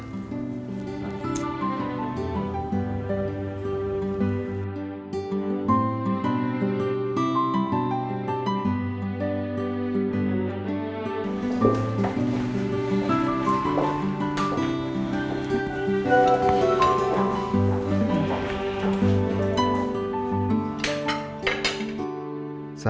sari kata storinetpan